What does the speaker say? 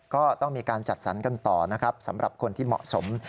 ก็ต้องมีการจัดสรรกันต่อนะครับสำหรับคนที่เหมาะสม